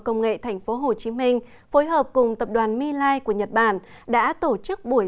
công nghệ thành phố hồ chí minh phối hợp cùng tập đoàn my life của nhật bản đã tổ chức buổi